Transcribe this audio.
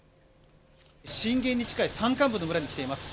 震源に近い山間部の村に来ています。